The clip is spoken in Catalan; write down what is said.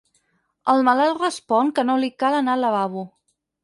El malalt respon que no li cal anar al lavabo.